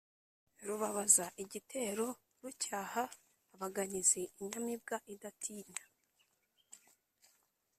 rubabaza igitero rucyaha abaganizi, inyamibwa idatinya,